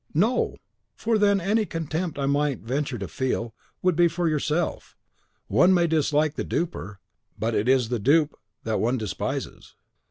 "No! for then any contempt I might venture to feel would be for yourself. One may dislike the duper, but it is the dupe that one despises."